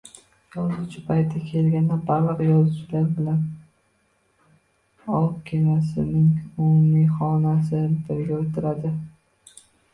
Yozuvchi payti kelganda baliq ovchilari bilan ov kemasining umumiy xonasida birga oʻtiradi